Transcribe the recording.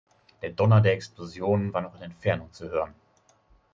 Der Donner der Explosionen war noch in Entfernung zu hören.